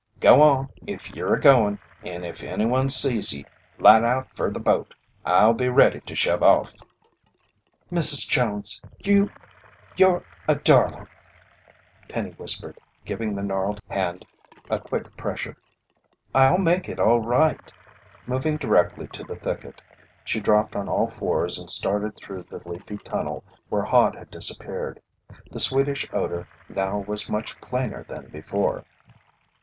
Go on if ye'r a goin', and if anyone sees ye, light out fer the boat. I'll be ready to shove off." "Mrs. Jones, you're a darling!" Penny whispered, giving the gnarled hand a quick pressure. "I'll make it all right!" Moving directly to the thicket, she dropped on all fours and started through the leafy tunnel where Hod had disappeared. The sweetish odor now was much plainer than before.